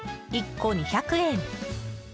１個２００円。